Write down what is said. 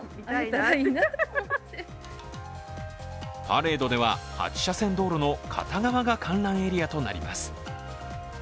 パレードでは８車線道路の片側が観覧エリアとなります。